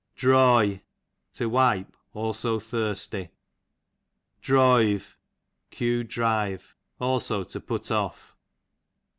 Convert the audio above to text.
Droy, to wipe, also thirsty. Droy ve, q. drive ; also to put off.